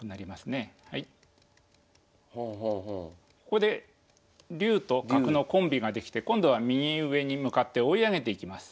ここで竜と角のコンビができて今度は右上に向かって追い上げていきます。